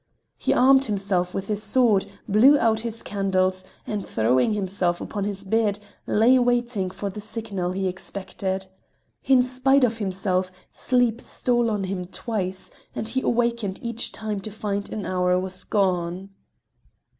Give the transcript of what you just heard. He armed himself with his sword, blew out his candles, and, throwing himself upon his bed, lay waiting for the signal he expected. In spite of himself, sleep stole on him twice, and he awakened each time to find an hour was gone.